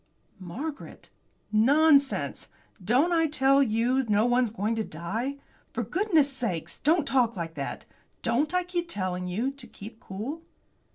"Margaret." "Nonsense! Don't I tell you no one's going to die? For goodness' sake don't talk like that. Don't I keep telling you to keep cool?"